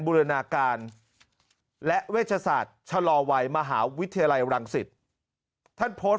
บูรณาการและเวชศาสตร์ชะลอวัยมหาวิทยาลัยรังสิตท่านโพสต์